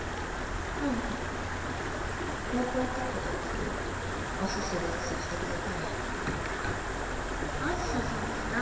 うん高校受かった時お寿司ごちそうしてくれたんや梓さんって誰？